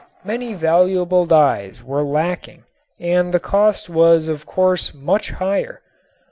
Many valuable dyes were lacking and the cost was of course much higher.